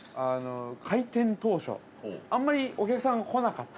◆開店当初、あんまりお客さんが来なかった。